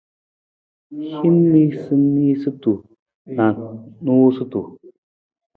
Hin niisaniisatu na noosutu.